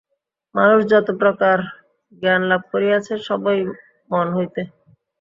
মানুষ যতপ্রকার জ্ঞানলাভ করিয়াছে, সবই মন হইতে।